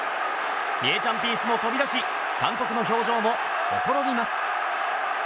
ミエちゃんピースも飛び出し監督の表情もほころびます。